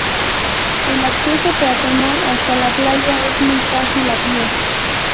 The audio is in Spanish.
El acceso peatonal hasta la playa es muy fácil a pie.